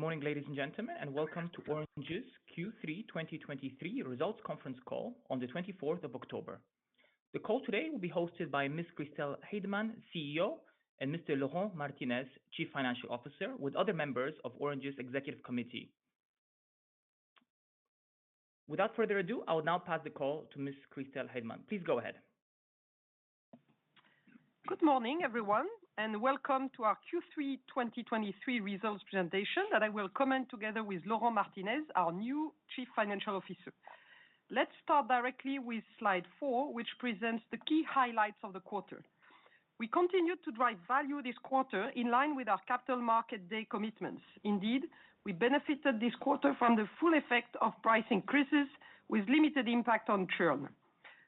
Good morning, ladies and gentlemen, and welcome to Orange's Q3 2023 Results Conference Call on the 24th of October. The call today will be hosted by Ms. Christel Heydemann, CEO, and Mr. Laurent Martinez, Chief Financial Officer, with other members of Orange's executive committee. Without further ado, I will now pass the call to Ms. Christel Heydemann. Please go ahead. Good morning, everyone, and welcome to our Q3 2023 results presentation that I will comment together with Laurent Martinez, our new Chief Financial Officer. Let's start directly with slide four, which presents the key highlights of the quarter. We continued to drive value this quarter, in line with our Capital Market Day commitments. Indeed, we benefited this quarter from the full effect of price increases, with limited impact on churn.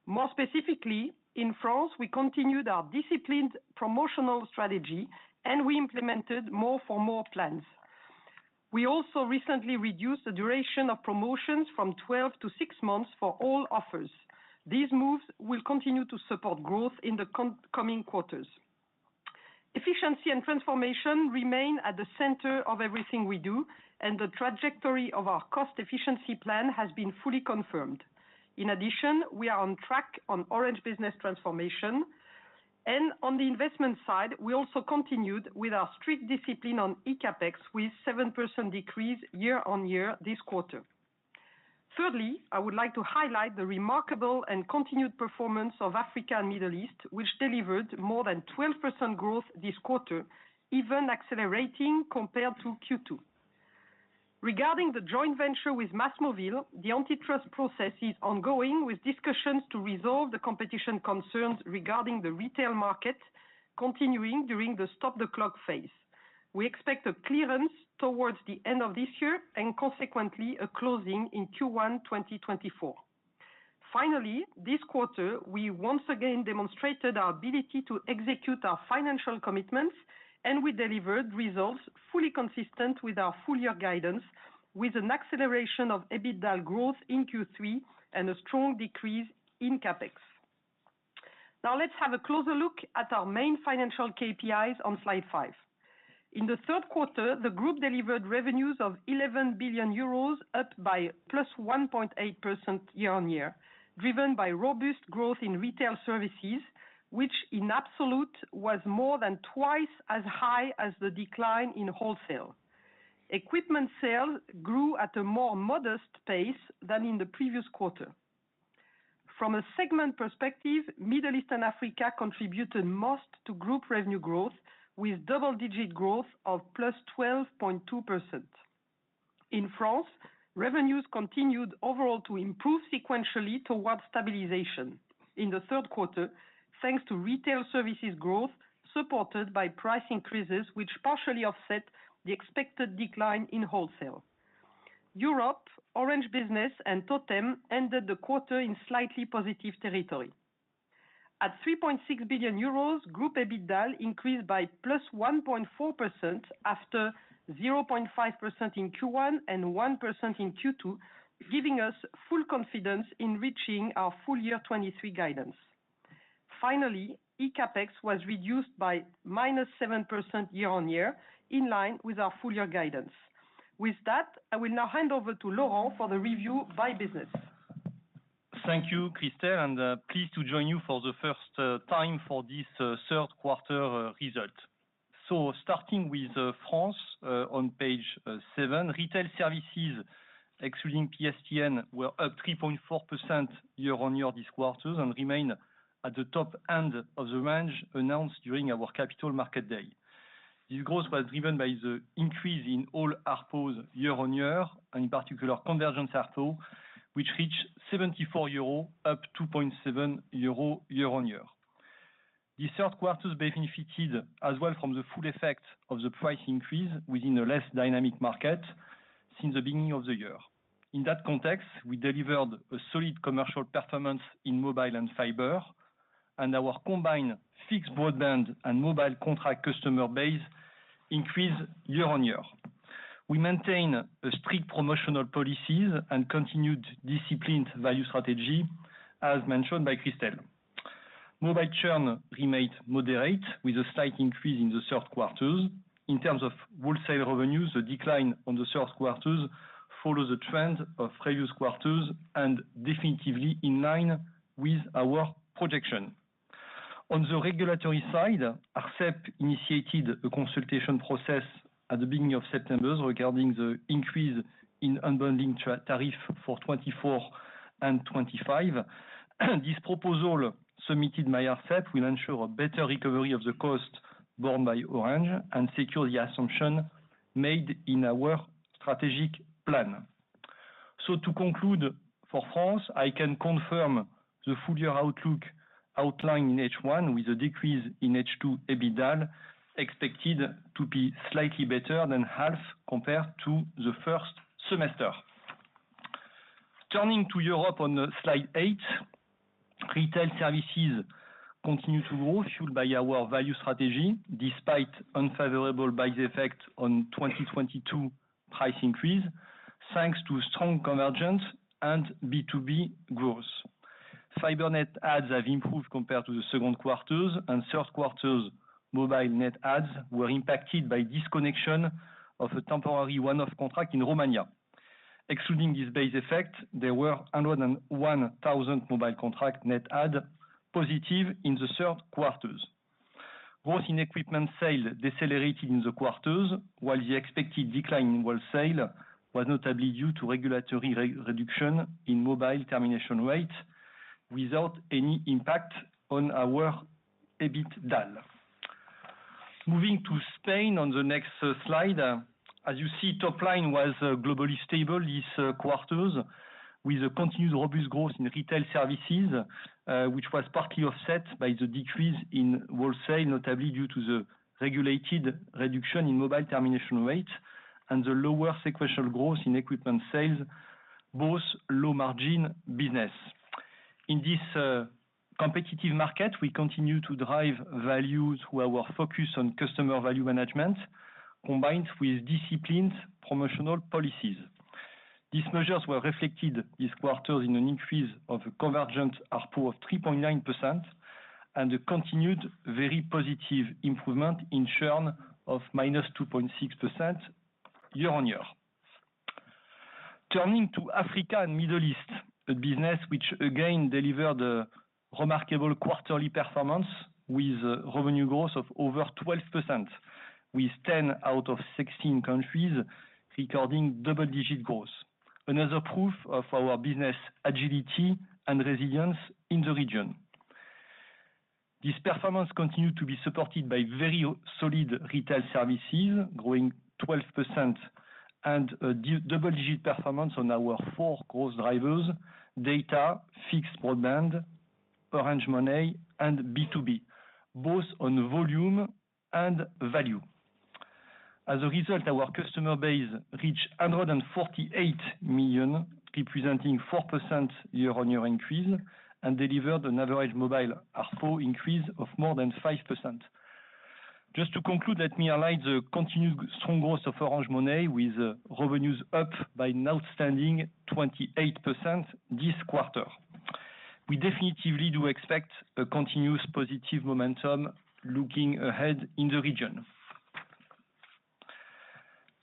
More specifically, in France, we continued our disciplined promotional strategy, and we implemented more for more plans. We also recently reduced the duration of promotions from 12 to 6 months for all offers. These moves will continue to support growth in the coming quarters. Efficiency and transformation remain at the center of everything we do, and the trajectory of our cost efficiency plan has been fully confirmed. In addition, we are on track on Orange Business transformation. On the investment side, we also continued with our strict discipline on eCAPEX, with 7% decrease year-on-year this quarter. Thirdly, I would like to highlight the remarkable and continued performance of Africa and Middle East, which delivered more than 12% growth this quarter, even accelerating compared to Q2. Regarding the joint venture with MásMóvil, the antitrust process is ongoing, with discussions to resolve the competition concerns regarding the retail market continuing during the stop-the-clock phase. We expect a clearance towards the end of this year and consequently a closing in Q1 2024. Finally, this quarter, we once again demonstrated our ability to execute our financial commitments, and we delivered results fully consistent with our full year guidance, with an acceleration of EBITDA growth in Q3 and a strong decrease in CapEx. Now, let's have a closer look at our main financial KPIs on slide five. In the third quarter, the group delivered revenues of 11 billion euros, up by +1.8% year-on-year, driven by robust growth in retail services, which in absolute, was more than twice as high as the decline in wholesale. Equipment sales grew at a more modest pace than in the previous quarter. From a segment perspective, Middle East and Africa contributed most to group revenue growth, with double-digit growth of +12.2%. In France, revenues continued overall to improve sequentially towards stabilization. In the third quarter, thanks to retail services growth, supported by price increases, which partially offset the expected decline in wholesale. Europe, Orange Business and TOTEM ended the quarter in slightly positive territory. At 3.6 billion euros, group EBITDA increased by +1.4%, after 0.5% in Q1 and 1% in Q2, giving us full confidence in reaching our full-year 2023 guidance. Finally, eCAPEX was reduced by -7% year-on-year, in line with our full-year guidance. With that, I will now hand over to Laurent for the review by business. Thank you, Christel, pleased to join you for the first time for this third quarter result. Starting with France, on page seven. Retail services, excluding PSTN, were up 3.4% year-over-year this quarter and remain at the top end of the range announced during our Capital Market Day. This growth was driven by the increase in all ARPOs year-over-year, and in particular, convergence ARPO, which reached 74 euros, up 2.7 euros year-over-year. This third quarter benefited as well from the full effect of the price increase within a less dynamic market since the beginning of the year. In that context, we delivered a solid commercial performance in mobile and fiber, and our combined fixed broadband and mobile contract customer base increased year-over-year. We maintain strict promotional policies and continued disciplined value strategy, as mentioned by Christel. Mobile churn remained moderate, with a slight increase in the third quarter. In terms of wholesale revenues, the decline in the third quarter follows the trend of previous quarters and definitely in line with our projection. On the regulatory side, ARCEP initiated a consultation process at the beginning of September regarding the increase in unbundling tariff for 2024 and 2025. This proposal, submitted by ARCEP, will ensure a better recovery of the cost borne by Orange and secure the assumption made in our strategic plan. So to conclude, for France, I can confirm the full year outlook outlined in H1, with a decrease in H2 EBITDA, expected to be slightly better than half compared to the first semester. Turning to Europe on slide eight, retail services continue to grow, fueled by our value strategy, despite unfavorable base effect on 2022 price increase, thanks to strong convergence and B2B growth. Fiber net adds have improved compared to the second quarter and third quarter. Mobile net adds were impacted by disconnection of a temporary one-off contract in Romania. Excluding this base effect, there were 101,000 mobile contract net adds positive in the third quarter. Growth in equipment sales decelerated in the quarter, while the expected decline in wholesale was notably due to regulatory reduction in mobile termination rate, without any impact on our EBITDAaL. Moving to Spain on the next slide. As you see, top line was globally stable this quarters, with a continuous obvious growth in retail services, which was partly offset by the decrease in wholesale, notably due to the regulated reduction in Mobile Termination Rate and the lower sequential growth in equipment sales, both low margin business. In this competitive market, we continue to drive value through our focus on customer value management, combined with disciplined promotional policies. These measures were reflected this quarter in an increase of a convergent ARPU of 3.9%, and a continued very positive improvement in churn of -2.6% year-on-year. Turning to Africa and Middle East, a business which again delivered a remarkable quarterly performance with revenue growth of over 12%, with 10 out of 16 countries recording double-digit growth. Another proof of our business agility and resilience in the region. This performance continued to be supported by very solid retail services, growing 12% and a double-digit performance on our four growth drivers: data, fixed broadband, Orange Money, and B2B, both on volume and value. As a result, our customer base reached 148 million, representing 4% year-on-year increase, and delivered an average mobile ARPU increase of more than 5%. Just to conclude, let me highlight the continued strong growth of Orange Money, with revenues up by an outstanding 28% this quarter. We definitively do expect a continuous positive momentum looking ahead in the region.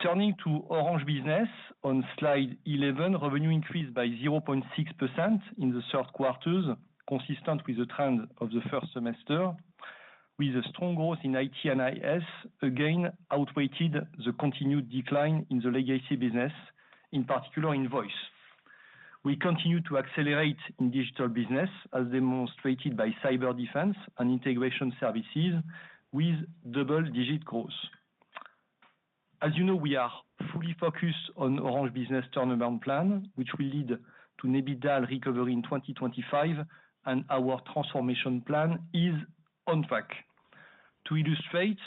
Turning to Orange Business on slide 11, revenue increased by 0.6% in the third quarter, consistent with the trend of the first semester, with a strong growth in IT and IS, again, outweighed the continued decline in the legacy business, in particular in voice. We continue to accelerate in digital business, as demonstrated by cyber defense and integration services with double-digit growth. As you know, we are fully focused on Orange Business turnaround plan, which will lead to EBITDA recovery in 2025, and our transformation plan is on track. To illustrate,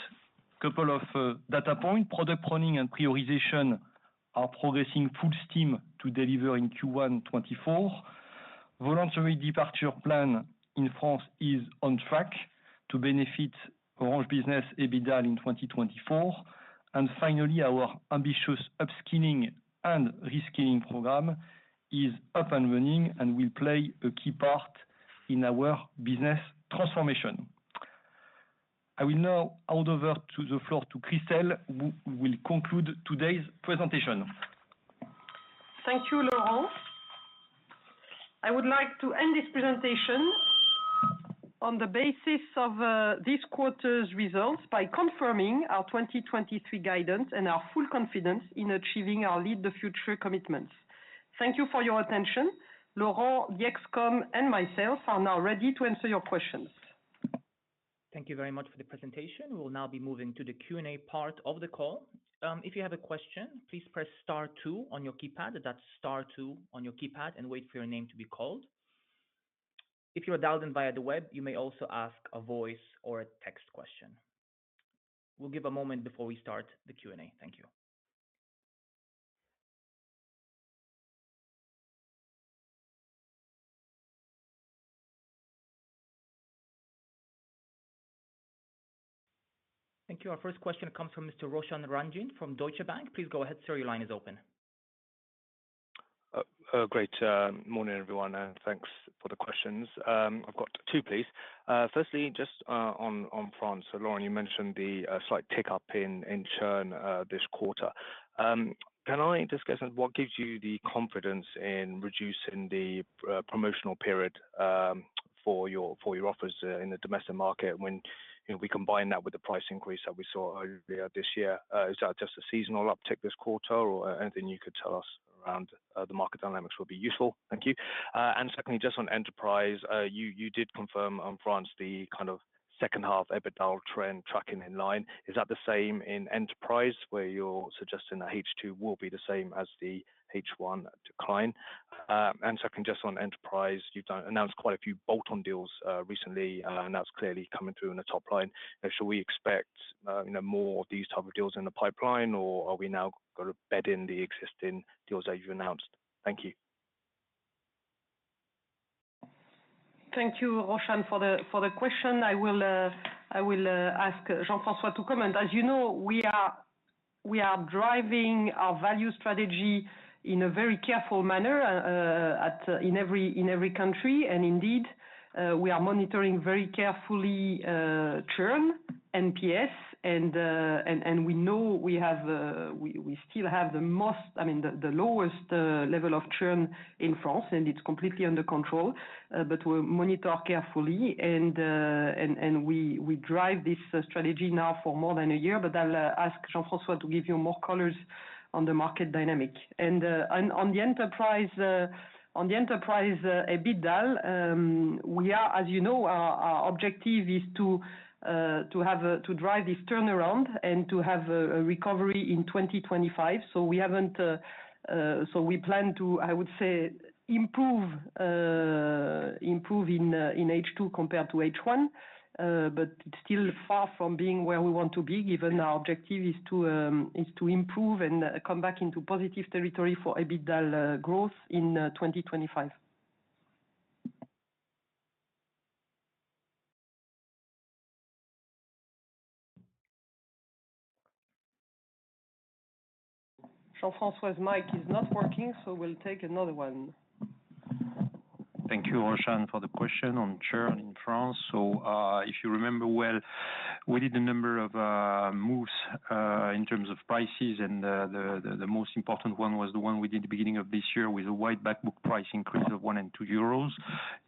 couple of data point, product planning and prioritization are progressing full steam to deliver in Q1 2024. Voluntary departure plan in France is on track to benefit Orange Business EBITDA in 2024. And finally, our ambitious upskilling and reskilling program is up and running and will play a key part in our business transformation. I will now hand over to the floor to Christel, who will conclude today's presentation. Thank you, Laurent. I would like to end this presentation on the basis of this quarter's results by confirming our 2023 guidance and our full confidence in achieving our Lead the Future commitments. Thank you for your attention. Laurent, the ExCom, and myself are now ready to answer your questions. Thank you very much for the presentation. We will now be moving to the Q&A part of the call. If you have a question, please press star two on your keypad. That's star two on your keypad and wait for your name to be called. If you are dialed in via the web, you may also ask a voice or a text question. We'll give a moment before we start the Q&A. Thank you. Thank you. Our first question comes from Mr. Roshan Ranjit from Deutsche Bank. Please go ahead, sir. Your line is open. Great, morning, everyone, and thanks for the questions. I've got two, please. Firstly, just on France. Laurent, you mentioned the slight tick-up in churn this quarter. Can I just get some-- what gives you the confidence in reducing the promotional period for your offers in the domestic market when, you know, we combine that with the price increase that we saw earlier this year? Is that just a seasonal uptick this quarter, or anything you could tell us around the market dynamics will be useful. Thank you. Secondly, just on enterprise, you did confirm on France, the kind of second half EBITDA trend tracking in line. Is that the same in Enterprise, where you're suggesting that H2 will be the same as the H1 decline? And second, just on Enterprise, you've done announced quite a few bolt-on deals, recently, and that's clearly coming through in the top line. Should we expect, you know, more of these type of deals in the pipeline, or are we now going to bed in the existing deals that you've announced? Thank you. Thank you, Roshan, for the question. I will ask Jean-François to comment. As you know, we are driving our value strategy in a very careful manner in every country. And indeed, we are monitoring very carefully churn, NPS, and we know we have, we still have the most—I mean, the lowest level of churn in France, and it's completely under control. But we monitor carefully, and we drive this strategy now for more than a year, but I'll ask Jean-François to give you more colors on the market dynamic. On the enterprise EBITDA, as you know, our objective is to drive this turnaround and to have a recovery in 2025. So we plan to, I would say, improve in H2 compared to H1. But it's still far from being where we want to be, given our objective is to improve and come back into positive territory for EBITDA growth in 2025. Jean-François's mic is not working, so we'll take another one. Thank you, Roshan, for the question on churn in France. So, if you remember well, we did a number of moves in terms of prices, and the most important one was the one we did the beginning of this year with a whole back book price increase of 1 and 2 euros.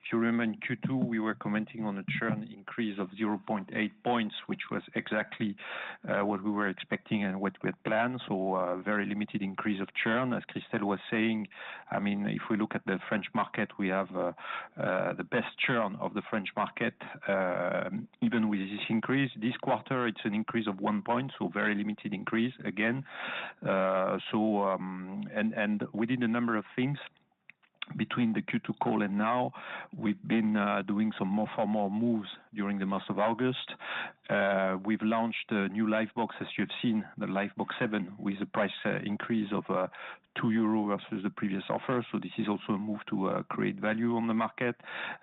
If you remember, in Q2, we were commenting on a churn increase of 0.8 points, which was exactly what we were expecting and what we had planned. So a very limited increase of churn, as Christel was saying. I mean, if we look at the French market, we have the best churn of the French market, even with this increase. This quarter, it's an increase of 1 point, so very limited increase again. So, and we did a number of things between the Q2 call and now. We've been doing some more, far more moves during the month of August. We've launched a new Livebox, as you have seen, the Livebox 7, with a price increase of 2 euro versus the previous offer. This is also a move to create value on the market.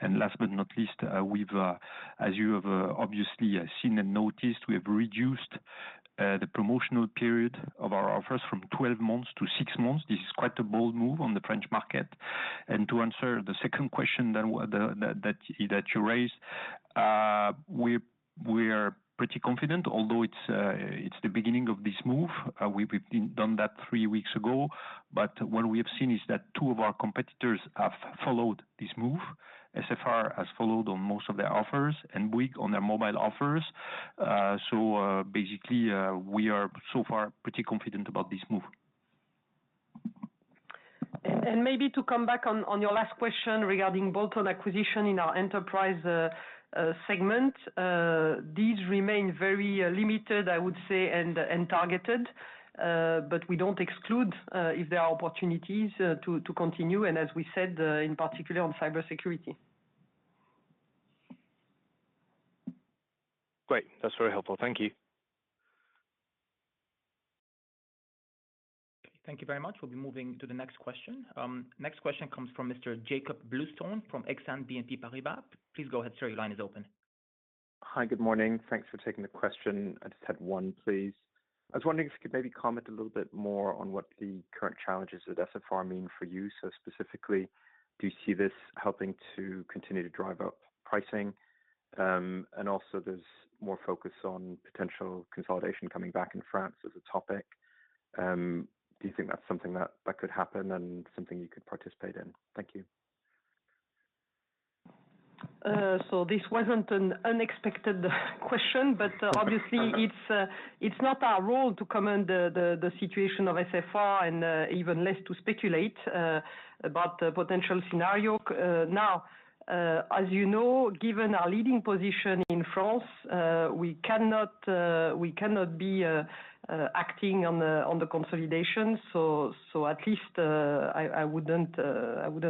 Last but not least, as you have obviously seen and noticed, we have reduced the promotional period of our offers from 12 months to 6 months. This is quite a bold move on the French market. To answer the second question that the, that you raised, we are pretty confident, although it's the beginning of this move. We've done that three weeks ago, but what we have seen is that two of our competitors have followed this move. SFR has followed on most of their offers and Bouygues on their mobile offers. So, basically, we are so far pretty confident about this move. And maybe to come back on your last question regarding bolt-on acquisition in our enterprise segment. These remain very limited, I would say, and targeted, but we don't exclude if there are opportunities to continue, and as we said, in particular on cybersecurity. Great. That's very helpful. Thank you. Thank you very much. We'll be moving to the next question. Next question comes from Mr. Jakob Bluestone from Exane BNP Paribas. Please go ahead, sir. Your line is open. Hi, good morning. Thanks for taking the question. I just had one, please. I was wondering if you could maybe comment a little bit more on what the current challenges with SFR mean for you. So specifically, do you see this helping to continue to drive up pricing? And also there's more focus on potential consolidation coming back in France as a topic. Do you think that's something that could happen and something you could participate in? Thank you. So this wasn't an unexpected question, but obviously it's not our role to comment the situation of SFR and even less to speculate about the potential scenario. Now, as you know, given our leading position in France, we cannot be acting on the consolidation. So at least, I wouldn't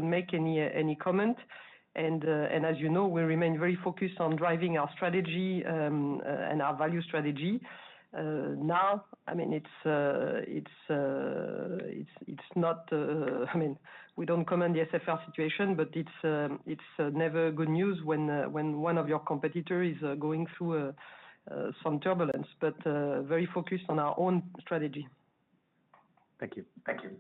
make any comment. And as you know, we remain very focused on driving our strategy and our value strategy. Now, I mean, it's not... I mean, we don't comment the SFR situation, but it's never good news when one of your competitors is going through some turbulence, but very focused on our own strategy. Thank you. Thank you.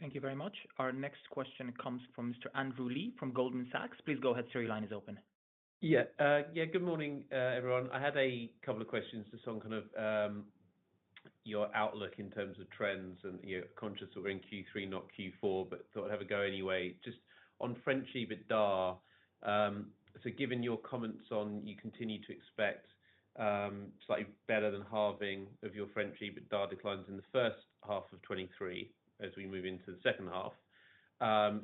Okay, thank you very much. Our next question comes from Mr. Andrew Lee from Goldman Sachs. Please go ahead, sir. Your line is open. Yeah. Yeah, good morning, everyone. I had a couple of questions on some kind of, your outlook in terms of trends and, you know, conscious we're in Q3, not Q4, but thought I'd have a go anyway. Just on French EBITDA. So given your comments on you continue to expect, slightly better than halving of your French EBITDA declines in the first half of 2023 as we move into the second half.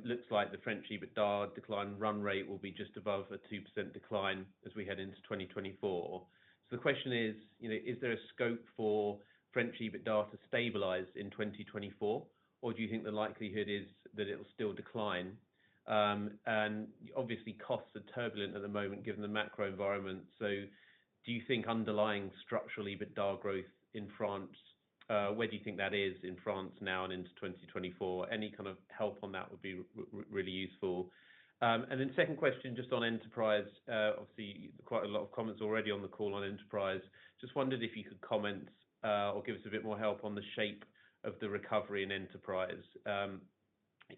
Looks like the French EBITDA decline run rate will be just above a 2% decline as we head into 2024. So the question is, you know, is there a scope for French EBITDA to stabilize in 2024, or do you think the likelihood is that it'll still decline? And obviously, costs are turbulent at the moment given the macro environment. So do you think underlying structural EBITDA growth in France. Where do you think that is in France now and into 2024? Any kind of help on that would be really useful. And then second question, just on enterprise. Obviously, quite a lot of comments already on the call on enterprise. Just wondered if you could comment or give us a bit more help on the shape of the recovery in enterprise.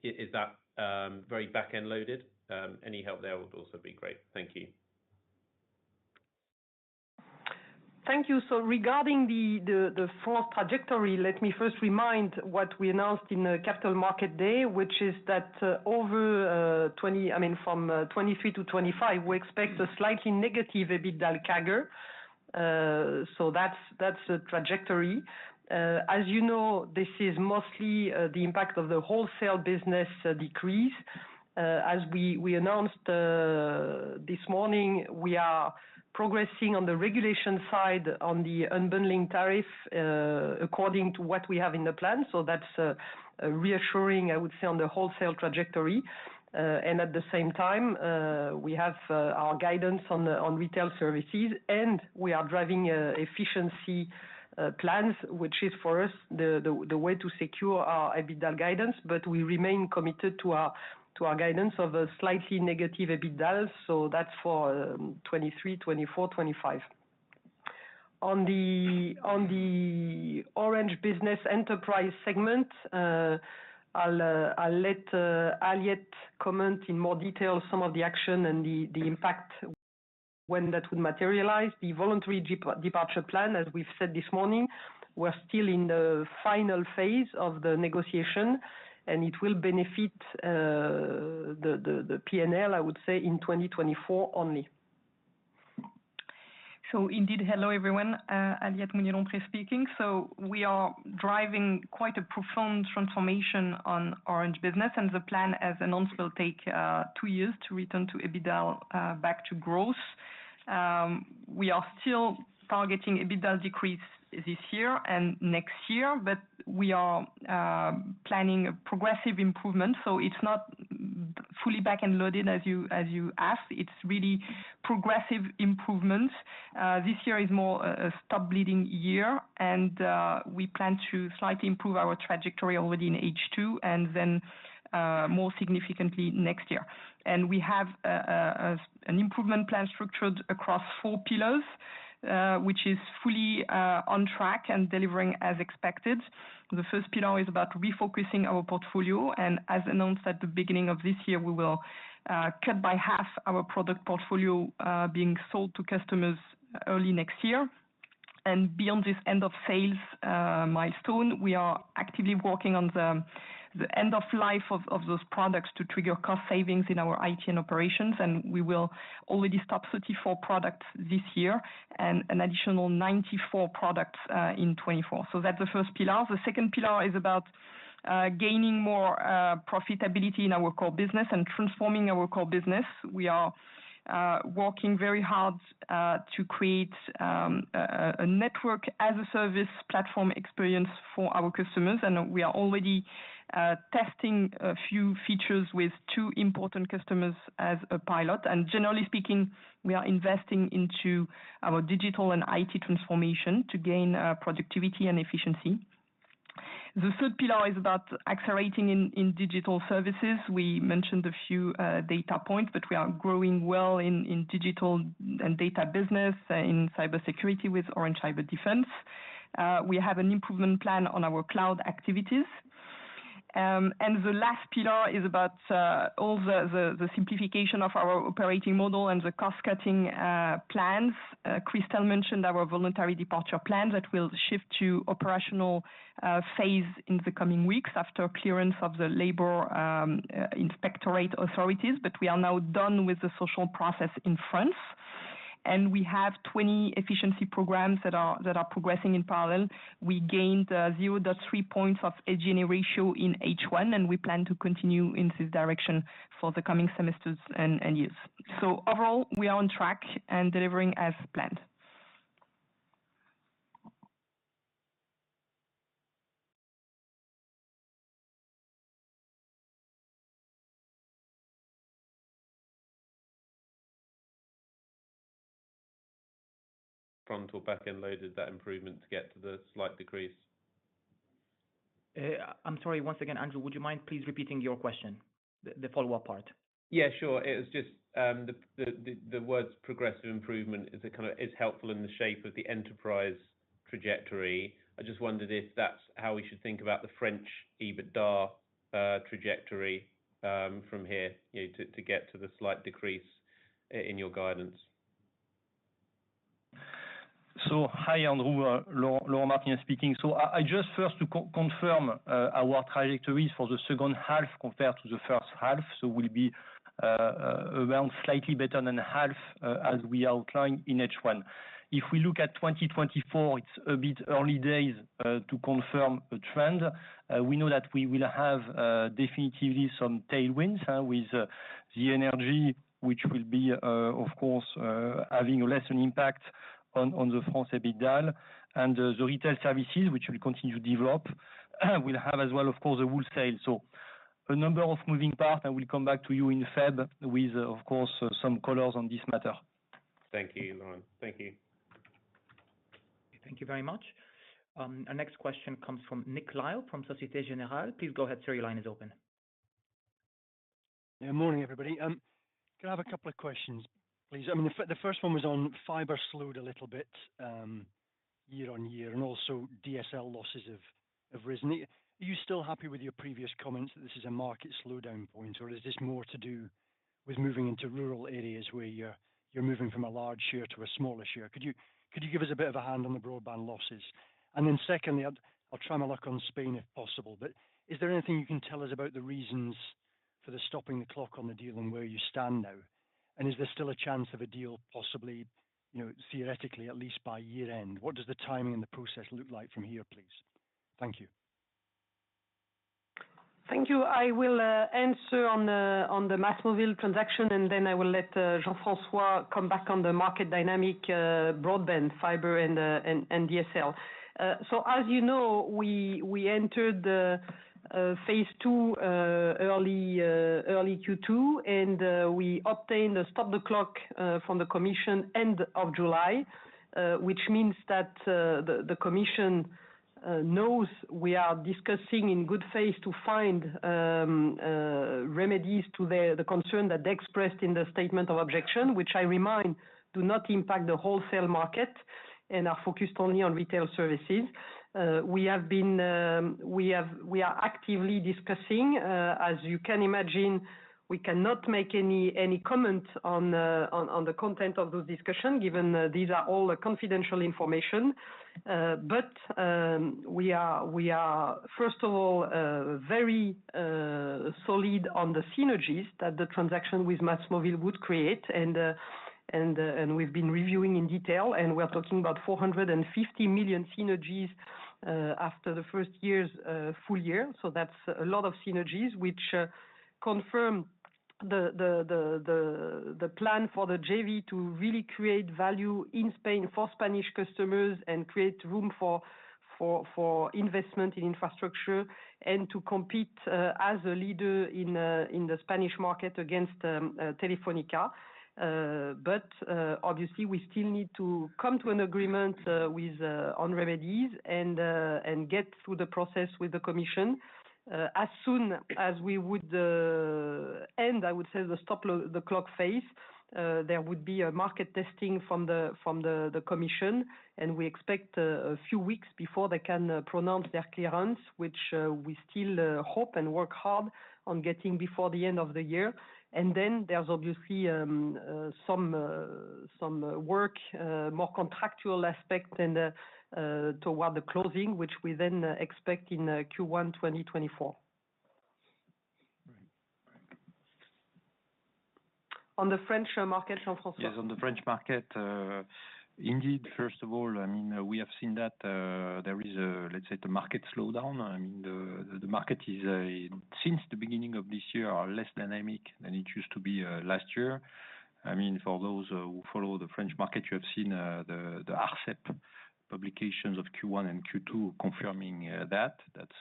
Is that very back-end loaded? Any help there would also be great. Thank you. Thank you. So regarding the fourth trajectory, let me first remind what we announced in the Capital Market Day, which is that, I mean, from 2023 to 2025, we expect a slightly negative EBITDA CAGR. So that's the trajectory. As you know, this is mostly the impact of the wholesale business decrease. As we announced this morning, we are progressing on the regulation side on the unbundling tariff according to what we have in the plan. So that's reassuring, I would say, on the wholesale trajectory. And at the same time, we have our guidance on retail services, and we are driving efficiency plans, which is for us the way to secure our EBITDA guidance. But we remain committed to our guidance of a slightly negative EBITDA, so that's for 2023, 2024, 2025. On the Orange Business Enterprise segment, I'll let Aliette comment in more detail some of the action and the impact when that would materialize. The voluntary departure plan, as we've said this morning, we're still in the final phase of the negotiation, and it will benefit the P&L, I would say, in 2024 only. So indeed, hello, everyone. Aliette Mousnier-Lompré speaking. So we are driving quite a profound transformation on Orange Business, and the plan, as announced, will take two years to return to EBITDA back to growth. We are still targeting EBITDA decrease this year and next year, but we are planning a progressive improvement, so it's not fully back and loaded as you asked. It's really progressive improvements. This year is more a stop-bleeding year, and we plan to slightly improve our trajectory already in H2, and then more significantly next year. And we have an improvement plan structured across four pillars, which is fully on track and delivering as expected. The first pillar is about refocusing our portfolio, and as announced at the beginning of this year, we will cut by half our product portfolio being sold to customers early next year. And beyond this end of sales milestone, we are actively working on the end of life of those products to trigger cost savings in our IT and operations, and we will already stop 34 products this year and an additional 94 products in 2024. So that's the first pillar. The second pillar is about gaining more profitability in our core business and transforming our core business. We are working very hard to create a network as a service platform experience for our customers. And we are already testing a few features with two important customers as a pilot. And generally speaking, we are investing into our digital and IT transformation to gain productivity and efficiency. The third pillar is about accelerating in digital services. We mentioned a few data points, but we are growing well in digital and data business in cybersecurity with Orange Cyberdefense. We have an improvement plan on our cloud activities. And the last pillar is about all the simplification of our operating model and the cost-cutting plans. Christel mentioned our voluntary departure plan that will shift to operational phase in the coming weeks after clearance of the labor inspectorate authorities, but we are now done with the social process in France. And we have 20 efficiency programs that are progressing in parallel. We gained 0-3 points of engineering ratio in H1, and we plan to continue in this direction for the coming semesters and years. So overall, we are on track and delivering as planned. Front or back-end loaded, that improvement to get to the slight decrease? I'm sorry, once again, Andrew, would you mind please repeating your question? The follow-up part. Yeah, sure. It was just the words progressive improvement is helpful in the shape of the enterprise trajectory. I just wondered if that's how we should think about the French EBITDA trajectory from here, you know, to get to the slight decrease in your guidance. So, hi, Andrew. Laurent Martinez speaking. So I just first to confirm our trajectories for the second half compared to the first half. So we'll be around slightly better than half as we outlined in H1. If we look at 2024, it's a bit early days to confirm a trend. We know that we will have definitively some tailwinds with the energy, which will be of course having a lesser impact on the France EBITDA and the retail services, which will continue to develop, will have as well, of course, the wholesale. So a number of moving parts, I will come back to you in February with of course some colors on this matter. Thank you, Laurent. Thank you. Thank you very much. Our next question comes from Nick Lyall from Société Générale. Please go ahead, sir. Your line is open. Yeah, morning, everybody. Can I have a couple of questions, please? I mean, the first one was on fiber slowed a little bit, year-on-year, and also DSL losses have risen. Are you still happy with your previous comments that this is a market slowdown point, or is this more to do with moving into rural areas where you're moving from a large share to a smaller share? Could you give us a bit of a hand on the broadband losses? And then secondly, I'll try my luck on Spain, if possible, but is there anything you can tell us about the reasons for the stopping the clock on the deal and where you stand now? And is there still a chance of a deal possibly, you know, theoretically, at least by year-end? What does the timing and the process look like from here, please? Thank you. Thank you. I will answer on the MásMóvil transaction, and then I will let Jean-François come back on the market dynamic, broadband, fiber, and DSL. So as you know, we entered the phase two early Q2, and we obtained a stop-the-clock from the commission end of July. Which means that the commission knows we are discussing in good faith to find remedies to the concern that they expressed in the statement of objection, which I remind, do not impact the wholesale market and are focused only on retail services. We have been... We have—we are actively discussing. As you can imagine, we cannot make any comment on the content of those discussions, given these are all confidential information. But we are first of all very solid on the synergies that the transaction with MásMóvil would create. And we've been reviewing in detail, and we're talking about 450 million synergies after the first year's full year. So that's a lot of synergies, which confirm the plan for the JV to really create value in Spain for Spanish customers and create room for investment in infrastructure and to compete as a leader in the Spanish market against Telefónica. But obviously, we still need to come to an agreement with on remedies and get through the process with the commission. As soon as we would end, I would say, the stop-the-clock phase, there would be a market testing from the commission, and we expect a few weeks before they can pronounce their clearance, which we still hope and work hard on getting before the end of the year. And then there's obviously some work more contractual aspect and toward the closing, which we then expect in Q1 2024.Right.On the French market, Jean-François. Yes, on the French market, indeed, first of all, I mean, we have seen that, there is a, let's say, the market slowdown. I mean, the, the market is, since the beginning of this year, are less dynamic than it used to be, last year. I mean, for those, who follow the French market, you have seen, the, the ARCEP publications of Q1 and Q2 confirming, that. That's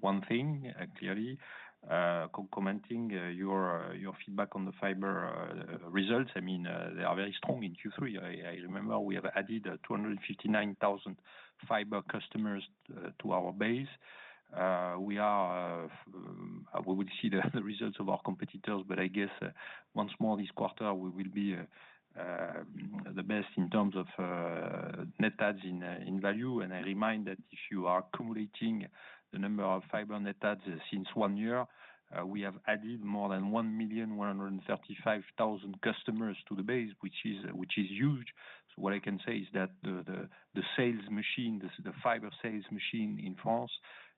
one thing, clearly. Commenting your feedback on the fiber results. I mean, they are very strong in Q3. I remember we have added 259,000 fiber customers to our base. We would see the results of our competitors, but I guess once more this quarter, we will be the best in terms of net adds in value. I remind that if you are accumulating the number of fiber net adds since one year, we have added more than 1,135,000 customers to the base, which is huge. So what I can say is that the sales machine, the fiber sales machine in France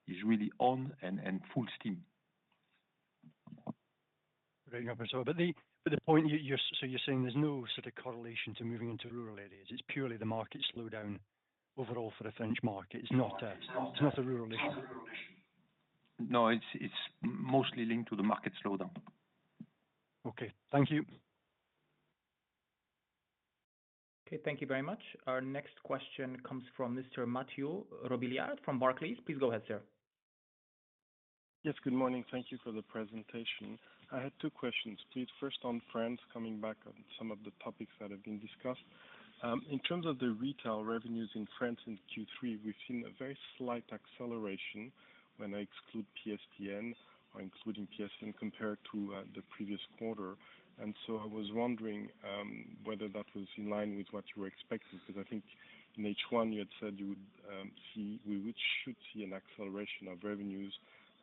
is really on and full steam. Great. But the point you're so you're saying there's no sort of correlation to moving into rural areas? It's purely the market slowdown overall for the French market. It's not, it's not the rural issue. No, it's, it's mostly linked to the market slowdown. Okay. Thank you. Okay, thank you very much. Our next question comes from Mr. Mathieu Robilliard from Barclays. Please go ahead, sir. Yes, good morning. Thank you for the presentation. I had two questions, please. First, on France, coming back on some of the topics that have been discussed. In terms of the retail revenues in France in Q3, we've seen a very slight acceleration when I exclude PSTN or including PSTN compared to the previous quarter. And so I was wondering whether that was in line with what you were expecting, because I think in H1, you had said we should see an acceleration of revenues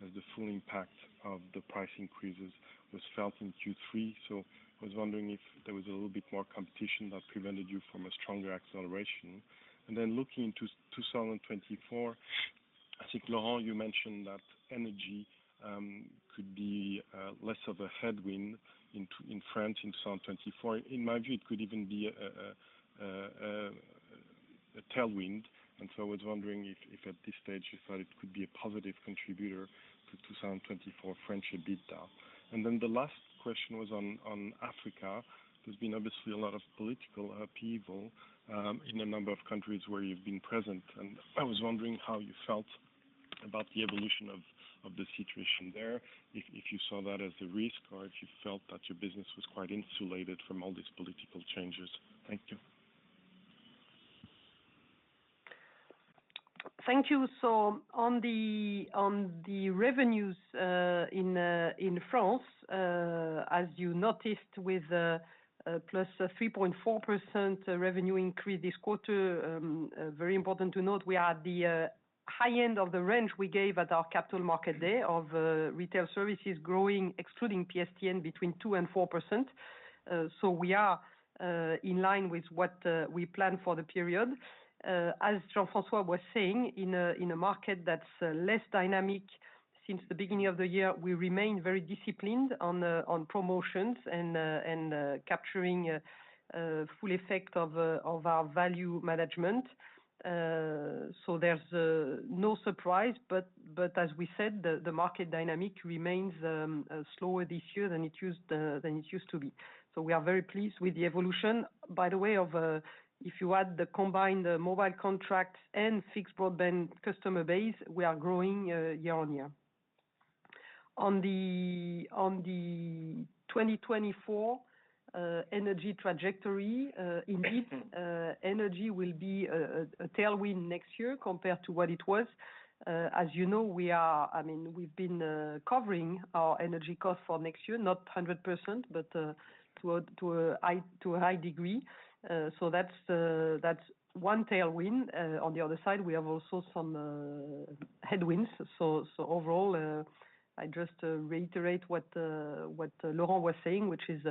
as the full impact of the price increases was felt in Q3. So I was wondering if there was a little bit more competition that prevented you from a stronger acceleration. And then looking into 2024, I think, Laurent, you mentioned that energy could be less of a headwind in France in 2024. In my view, it could even be a tailwind. And so I was wondering if at this stage, you thought it could be a positive contributor to 2024 French EBITDA. And then the last question was on Africa. There's been obviously a lot of political upheaval in a number of countries where you've been present, and I was wondering how you felt about the evolution of the situation there, if you saw that as a risk or if you felt that your business was quite insulated from all these political changes? Thank you. Thank you. So on the revenues in France, as you noticed, with +3.4% revenue increase this quarter, very important to note, we are at the high end of the range we gave at our capital market day of retail services growing, excluding PSTN, between 2% and 4%. So we are in line with what we plan for the period. As Jean-François was saying, in a market that's less dynamic since the beginning of the year, we remain very disciplined on promotions and capturing full effect of our value management. So there's no surprise, but as we said, the market dynamic remains slower this year than it used to be. So we are very pleased with the evolution. By the way, if you add the combined mobile contracts and fixed broadband customer base, we are growing year-on-year. On the 2024 energy trajectory, indeed, energy will be a tailwind next year compared to what it was. As you know, we are—I mean, we've been covering our energy costs for next year, not 100%, but to a high degree. So that's one tailwind. On the other side, we have also some headwinds. So, overall, I just reiterate what Laurent was saying, which is,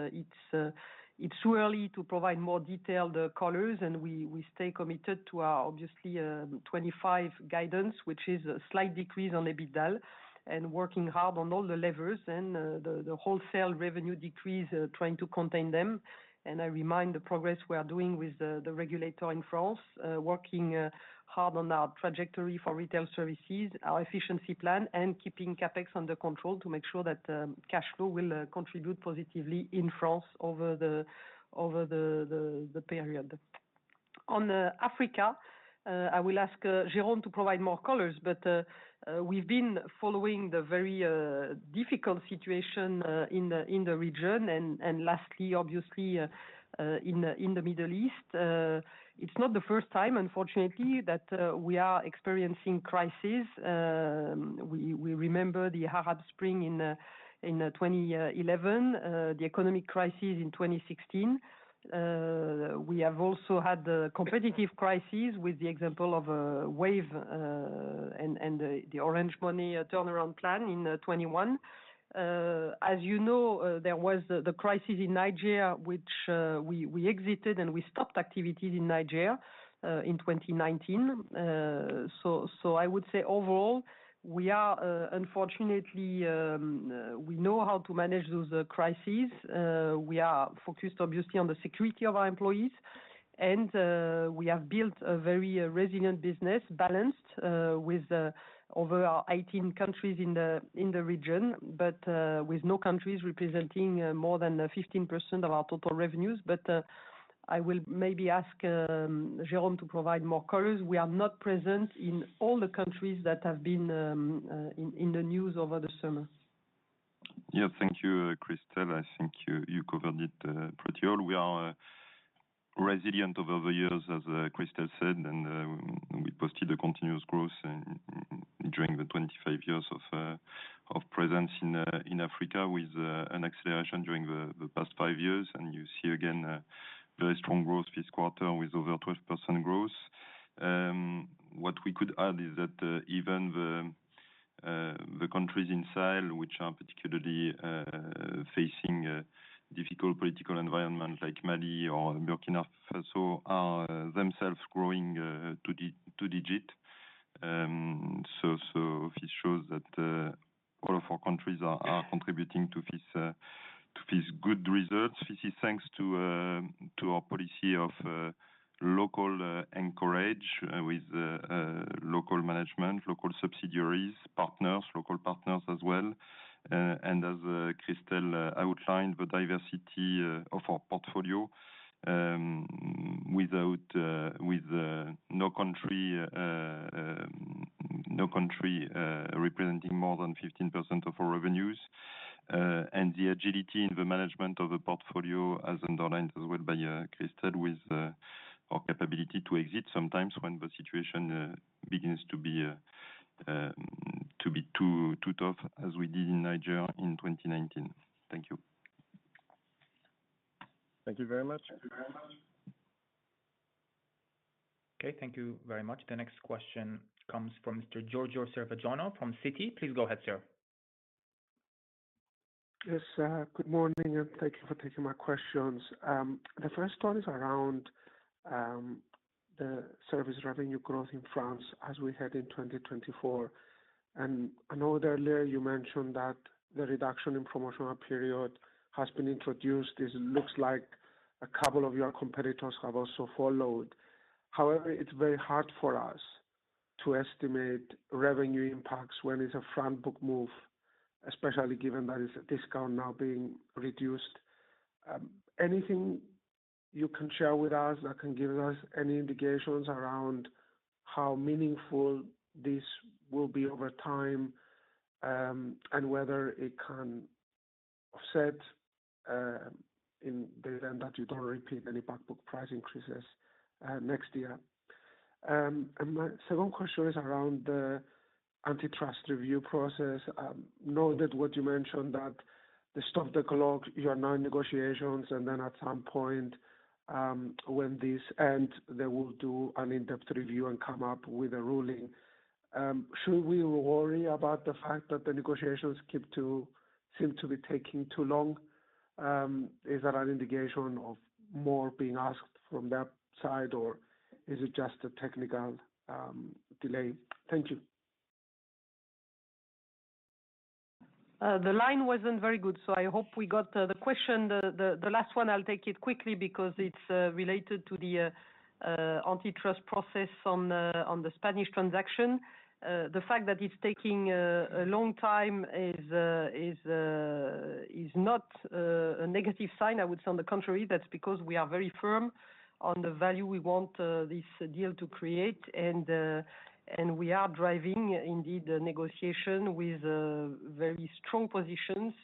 it's too early to provide more detailed colors, and we stay committed to our, obviously, 2025 guidance, which is a slight decrease on EBITDA and working hard on all the levers and, the wholesale revenue decrease, trying to contain them. And I remind the progress we are doing with the regulator in France, working hard on our trajectory for retail services, our efficiency plan, and keeping CapEx under control to make sure that cash flow will contribute positively in France over the period. On Africa, I will ask Jérôme to provide more colors, but, we've been following the very difficult situation in the region. And lastly, obviously, in the Middle East, it's not the first time, unfortunately, that we are experiencing crisis. We remember the Arab Spring in 2011, the economic crisis in 2016. We have also had the competitive crisis with the example of Wave and the Orange Money turnaround plan in 2021. As you know, there was the crisis in Nigeria, which we exited, and we stopped activities in Nigeria in 2019. So I would say overall, we are, unfortunately, we know how to manage those crises. We are focused obviously on the security of our employees, and we have built a very resilient business, balanced, with over 18 countries in the region, but with no countries representing more than 15% of our total revenues. I will maybe ask Jérôme to provide more colors. We are not present in all the countries that have been in the news over the summer. Yeah. Thank you, Christel. I think you covered it pretty all. We are resilient over the years, as Christel said, and we posted a continuous growth during the 25 years of presence in Africa, with an acceleration during the past five years. And you see, again, a very strong growth this quarter with over 12% growth. What we could add is that even the countries in Sahel, which are particularly facing a difficult political environment like Mali or Burkina Faso, are themselves growing two-digit. So this shows that all of our countries are contributing to this good results. This is thanks to our policy of local empowerment with local management, local subsidiaries, partners, local partners as well. And as Christel outlined, the diversity of our portfolio with no country representing more than 15% of our revenues, and the agility in the management of the portfolio as underlined as well by Christel, with our capability to exit sometimes when the situation begins to be too tough, as we did in Nigeria in 2019. Thank you. Thank you very much. Okay, thank you very much. The next question comes from Mr. Georgios Ierodiaconou from Citi. Please go ahead, sir. Yes, good morning, and thank you for taking my questions. The first one is around the service revenue growth in France as we head in 2024. I know earlier you mentioned that the reduction in promotional period has been introduced. It looks like a couple of your competitors have also followed. However, it's very hard for us to estimate revenue impacts when it's a front book move, especially given that it's a discount now being reduced anything you can share with us that can give us any indications around how meaningful this will be over time, and whether it can offset, in the event that you don't repeat any back book price increases, next year? And my second question is around the antitrust review process. You know that what you mentioned, that the stop-the-clock, you are now in negotiations, and then at some point, when this ends, they will do an in-depth review and come up with a ruling. Should we worry about the fact that the negotiations seem to be taking too long? Is that an indication of more being asked from that side, or is it just a technical delay? Thank you. The line wasn't very good, so I hope we got the question. The last one, I'll take it quickly because it's related to the antitrust process on the Spanish transaction. The fact that it's taking a long time is not a negative sign. I would say on the contrary, that's because we are very firm on the value we want this deal to create, and we are driving, indeed, a negotiation with very strong positions,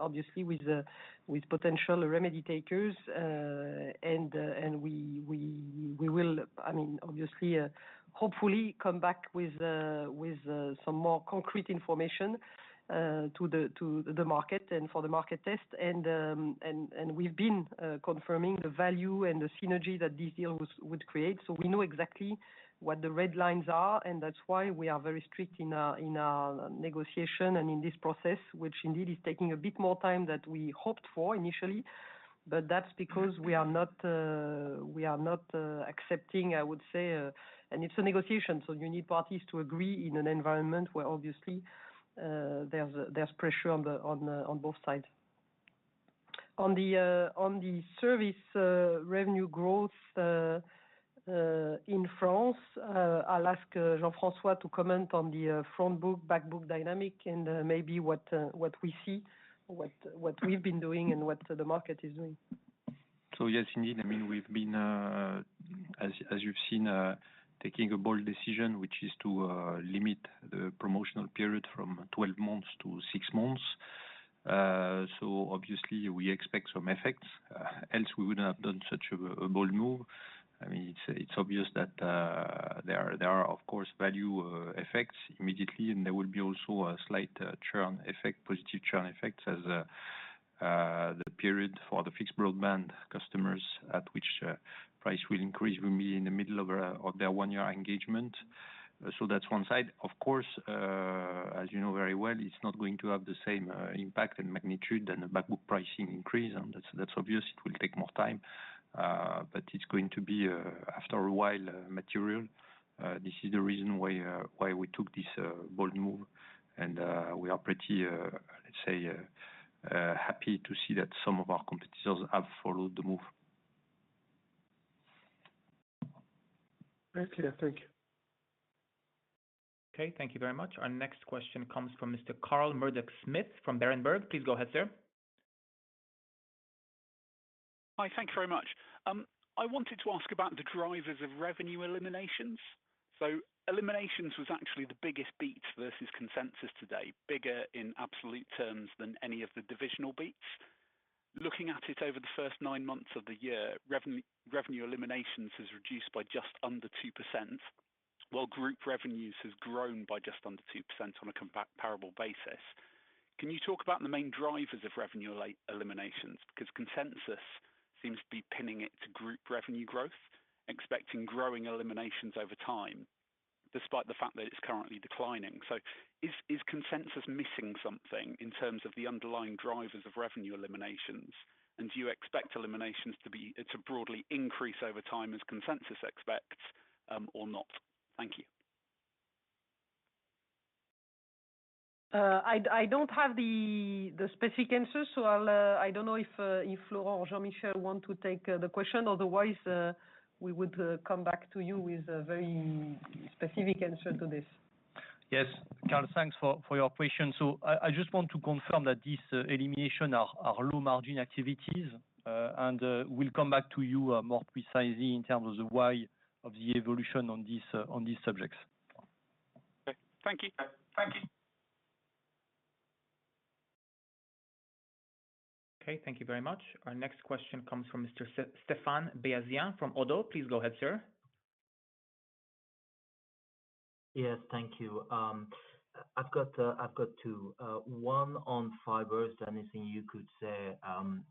obviously, with potential remedy takers. And we will, I mean, obviously, hopefully, come back with some more concrete information to the market and for the market test. And we've been confirming the value and the synergy that this deal would create. So we know exactly what the red lines are, and that's why we are very strict in our negotiation and in this process, which indeed is taking a bit more time than we hoped for initially. But that's because we are not accepting, I would say... And it's a negotiation, so you need parties to agree in an environment where, obviously, there's pressure on both sides. On the service revenue growth in France, I'll ask Jean-François to comment on the front book, back book dynamic, and maybe what we see, what we've been doing, and what the market is doing. So, yes, indeed. I mean, we've been, as you've seen, taking a bold decision, which is to limit the promotional period from 12 months to six months. So obviously we expect some effects, else we wouldn't have done such a bold move. I mean, it's obvious that there are, of course, value effects immediately, and there will be also a slight churn effect, positive churn effects as the period for the fixed broadband customers at which price will increase, will be in the middle of their one-year engagement. So that's one side. Of course, as you know very well, it's not going to have the same impact and magnitude and the back book pricing increase, and that's obvious. It will take more time, but it's going to be, after a while, material. This is the reason why we took this bold move, and we are pretty, let's say, happy to see that some of our competitors have followed the move. Okay, thank you. Okay, thank you very much. Our next question comes from Mr. Carl Murdock-Smith from Berenberg. Please go ahead, sir. Hi. Thank you very much. I wanted to ask about the drivers of revenue eliminations. So eliminations was actually the biggest beat versus consensus today, bigger in absolute terms than any of the divisional beats. Looking at it over the first nine months of the year, revenue eliminations has reduced by just under 2%, while group revenues has grown by just under 2% on a comparable basis. Can you talk about the main drivers of revenue eliminations? Because consensus seems to be pinning it to group revenue growth, expecting growing eliminations over time, despite the fact that it's currently declining. So is consensus missing something in terms of the underlying drivers of revenue eliminations? And do you expect eliminations to broadly increase over time, as consensus expects, or not? Thank you. I don't have the specific answer, so I'll... I don't know if Laurent or Jean-Françoisl want to take the question. Otherwise, we would come back to you with a very specific answer to this. Yes, Carl, thanks for your question. So I just want to confirm that this elimination are low margin activities, and we'll come back to you more precisely in terms of the why of the evolution on these subjects. Okay. Thank you. Thank you. Okay, thank you very much. Our next question comes from Mr. Stéphane Beyazian from Oddo. Please go ahead, sir. Yes, thank you. I've got two. One on fibers. Anything you could say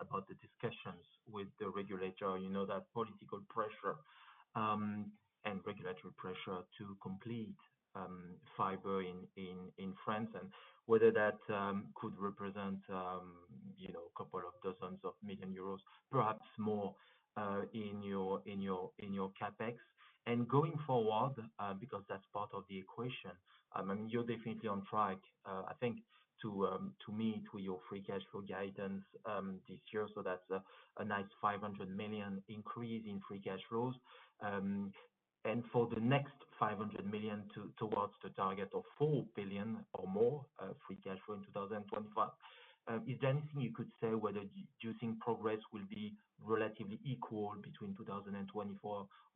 about the discussions with the regulator, you know, that political pressure and regulatory pressure to complete fiber in France, and whether that could represent, you know, a couple dozen million EUR, perhaps more, in your CapEx. And going forward, because that's part of the equation, I mean, you're definitely on track, I think, to meet your free cash flow guidance this year. So that's a nice 500 million increase in free cash flows. And for the next 500 million towards the target of 4 billion or more, free cash flow in 2025. Is there anything you could say whether do you think progress will be relatively equal between 2024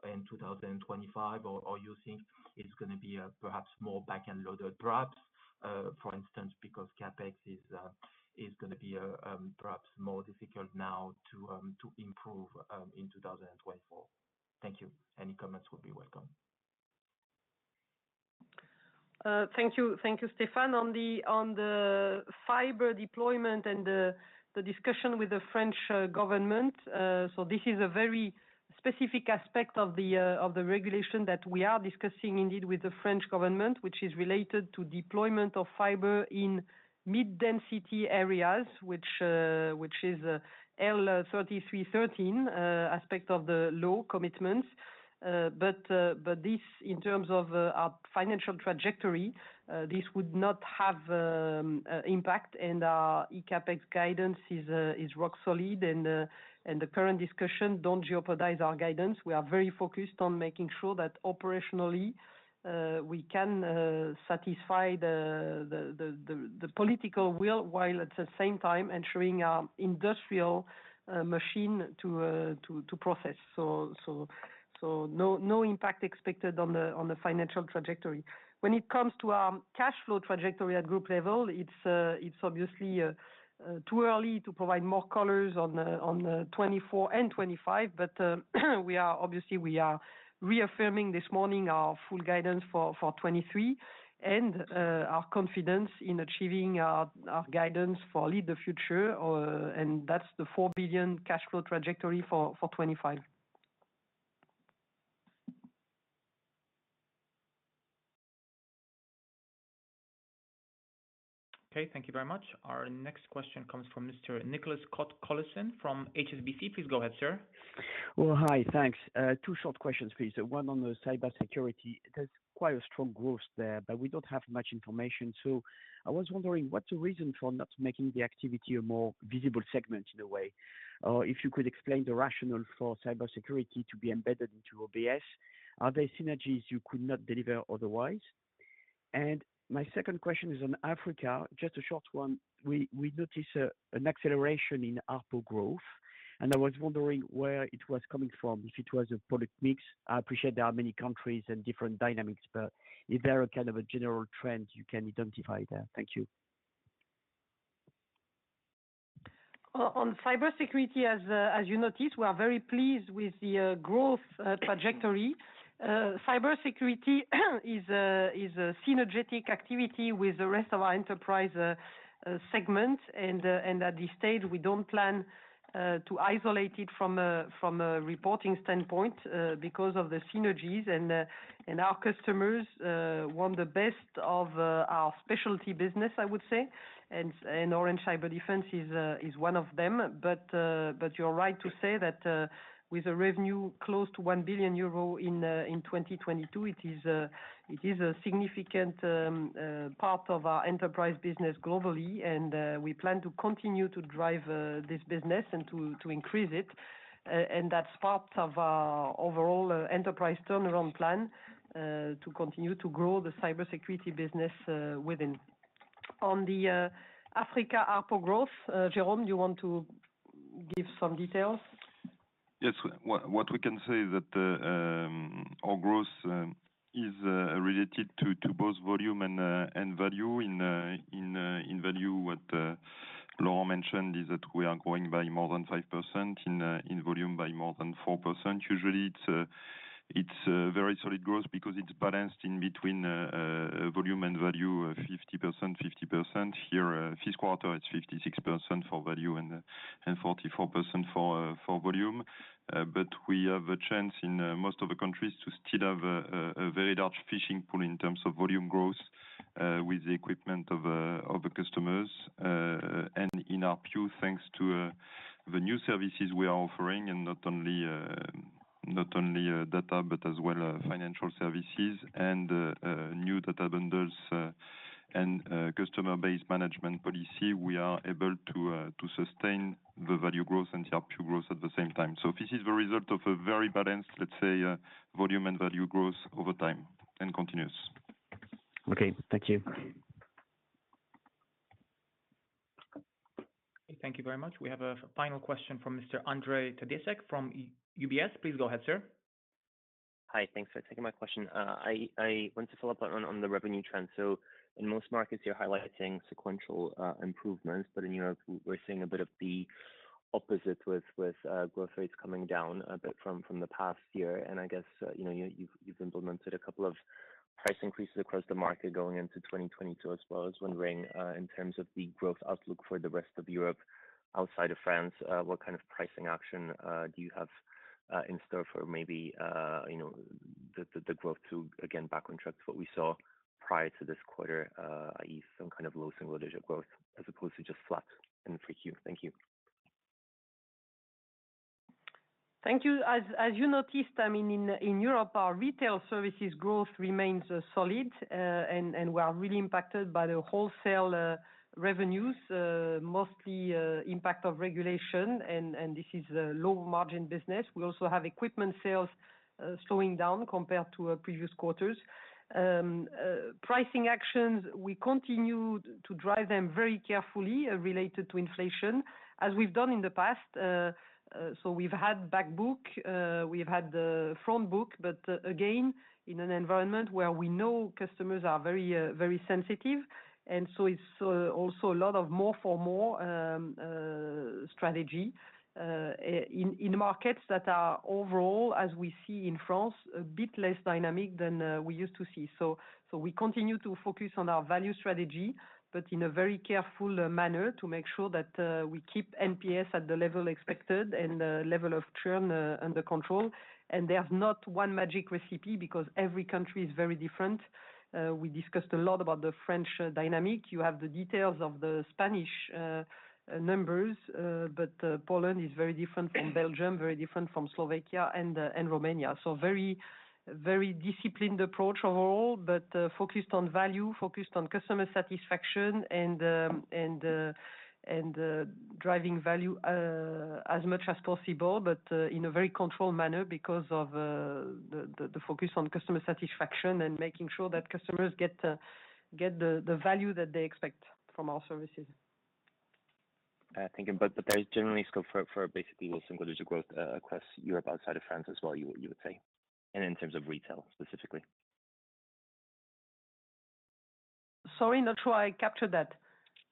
and 2025? Or you think it's gonna be a perhaps more back-end loaded, perhaps, for instance, because CapEx is gonna be perhaps more difficult now to improve in 2024? Thank you. Any comments would be welcome. Thank you, thank you, Stéphane. On the fiber deployment and the discussion with the French government. So this is a very specific aspect of the regulation that we are discussing indeed with the French government, which is related to deployment of fiber in mid-density areas, which is L-33-13 aspect of the law commitments. But this, in terms of our financial trajectory, this would not have impact, and eCapEx guidance is rock solid, and the current discussion don't jeopardize our guidance. We are very focused on making sure that operationally we can satisfy the political will, while at the same time ensuring our industrial machine to process. So no impact expected on the financial trajectory. When it comes to our cash flow trajectory at group level, it's obviously too early to provide more colors on the 2024 and 2025. But we are obviously reaffirming this morning our full guidance for 2023 and our confidence in achieving our guidance for Lead the Future. And that's the 4 billion cash flow trajectory for 2025. Okay, thank you very much. Our next question comes from Mr. Nicolas Cote-Colisson from HSBC. Please go ahead, sir. Well, hi. Thanks. Two short questions, please. One, on the cybersecurity. There's quite a strong growth there, but we don't have much information. So I was wondering, what's the reason for not making the activity a more visible segment, in a way? Or if you could explain the rationale for cybersecurity to be embedded into OBS. Are there synergies you could not deliver otherwise? And my second question is on Africa. Just a short one. We noticed an acceleration in ARPU growth, and I was wondering where it was coming from, if it was a product mix. I appreciate there are many countries and different dynamics, but is there a kind of a general trend you can identify there? Thank you. On cybersecurity, as you noticed, we are very pleased with the growth trajectory. Cybersecurity is a synergetic activity with the rest of our enterprise segment. And at this stage, we don't plan to isolate it from a reporting standpoint, because of the synergies and our customers want the best of our specialty business, I would say, and Orange Cyberdefense is one of them. But you're right to say that with a revenue close to 1 billion euro in 2022, it is a significant part of our enterprise business globally. And we plan to continue to drive this business and to increase it. And that's part of our overall enterprise turnaround plan to continue to grow the cybersecurity business within. On the Africa ARPU growth, Jerome, you want to give some details? Yes. What we can say is that our growth is related to both volume and value. In value, what Laurent mentioned is that we are growing by more than 5%, in volume by more than 4%. Usually, it's a very solid growth because it's balanced in between volume and value, 50%, 50%. Here, this quarter, it's 56% for value and 44% for volume. But we have a chance in most of the countries to still have a very large fishing pool in terms of volume growth, with the equipment of the customers. And in ARPU, thanks to the new services we are offering, and not only not only data, but as well, financial services and new data bundles, and customer-based management policy, we are able to to sustain the value growth and the ARPU growth at the same time. So this is the result of a very balanced, let's say, volume and value growth over time, and continues. Okay. Thank you. Thank you very much. We have a final question from Mr. Ondrej Cabejsek from UBS. Please go ahead, sir. Hi, thanks for taking my question. I want to follow up on the revenue trend. So in most markets, you're highlighting sequential improvements, but in Europe, we're seeing a bit of the opposite with growth rates coming down a bit from the past year. And I guess, you know, you've implemented a couple of price increases across the market going into 2022. I was wondering, in terms of the growth outlook for the rest of Europe outside of France, what kind of pricing action do you have in store for maybe, you know, the growth to again backtrack to what we saw prior to this quarter, i.e., some kind of low single-digit growth, as opposed to just flat in the future? Thank you. Thank you. As you noticed, I mean, in Europe, our retail services growth remains solid, and we are really impacted by the wholesale revenues, mostly impact of regulation, and this is a low-margin business. We also have equipment sales slowing down compared to previous quarters. Pricing actions, we continue to drive them very carefully, related to inflation, as we've done in the past. So we've had back book, we've had the front book, but again, in an environment where we know customers are very very sensitive. And so it's also a lot of more for more strategy in markets that are overall, as we see in France, a bit less dynamic than we used to see. So we continue to focus on our value strategy, but in a very careful manner to make sure that we keep NPS at the level expected and the level of churn under control. And there's not one magic recipe because every country is very different. We discussed a lot about the French dynamic. You have the details of the Spanish numbers, but Poland is very different from Belgium, very different from Slovakia and Romania. So very, very disciplined approach overall, but focused on value, focused on customer satisfaction and driving value as much as possible, but in a very controlled manner because of the focus on customer satisfaction and making sure that customers get the value that they expect from our services. Thank you. But there's generally scope for basically low single-digit growth across Europe, outside of France as well, you would say, and in terms of retail, specifically? Sorry, not sure I captured that.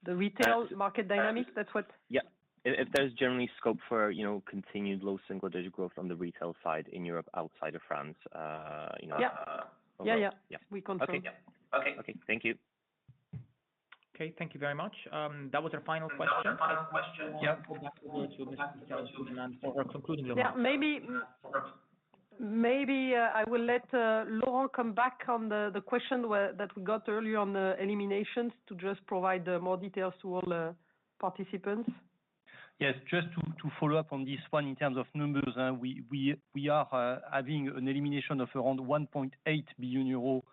The retail market dynamic? That's what- Yeah. If there's generally scope for, you know, continued low single-digit growth on the retail side in Europe, outside of France, you know- Yeah. Yeah, yeah. Yeah. We confirm, yeah. Okay. Thank you. Okay, thank you very much. That was our final question. Yeah i will now hand over to Ms. Christel for our concluding remarks. Yeah, maybe I will let Laurent come back on the question that we got earlier on the eliminations to just provide more details to all participants. Yes, just to follow up on this one in terms of numbers, we are having an elimination of around 1.8 billion euro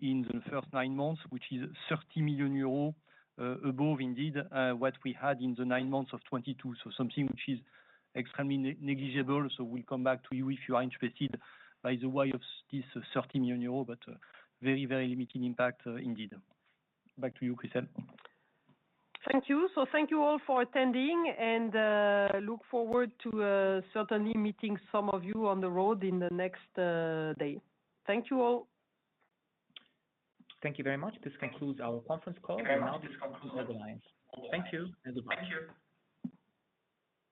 in the first nine months, which is 30 million euro above, indeed, what we had in the nine months of 2022. So something which is extremely negligible. So we'll come back to you if you are interested by the way of this 30 million euro, but very, very limiting impact, indeed. Back to you, Christel. Thank you. So thank you all for attending, and look forward to certainly meeting some of you on the road in the next day. Thank you all. Thank you very much. This concludes our conference call. This concludes our conference call. Thank you and goodbye. Thank you.